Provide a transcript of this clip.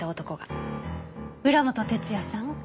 浦本徹也さん